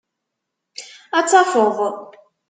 Ad tafeḍ.